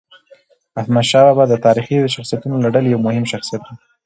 احمدشاه بابا د تاریخي شخصیتونو له ډلې یو مهم شخصیت و.